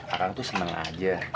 akang tuh seneng aja